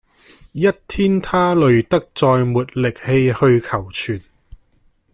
一天他累得再沒力氣去求存